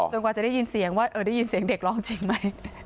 กว่าจะได้ยินเสียงว่าได้ยินเสียงเด็กร้องจริงไหม